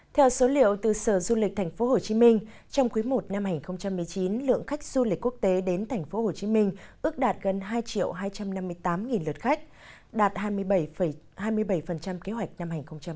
theo số liệu từ sở du lịch tp hcm trong quý i năm hai nghìn một mươi chín lượng khách du lịch quốc tế đến tp hcm ước đạt gần hai hai trăm năm mươi tám lượt khách đạt hai mươi bảy hai mươi bảy kế hoạch năm hai nghìn một mươi chín